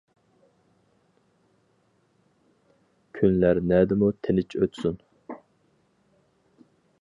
كۈنلەر نەدىمۇ تىنچ ئۆتسۇن؟!